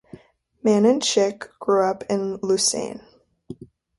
Manon Schick grew up in Lausanne.